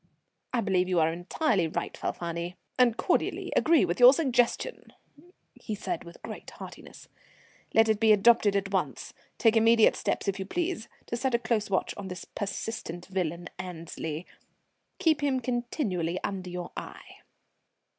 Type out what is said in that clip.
"I believe you are entirely right, Falfani, and cordially agree with your suggestion," he said with great heartiness. "Let it be adopted at once. Take immediate steps, if you please, to set a close watch on this pestilent villain Annesley; keep him continually under your eye."